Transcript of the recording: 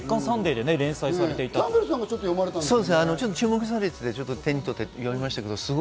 キャンベルさんが読んでたんですよね？